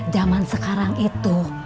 zaman sekarang itu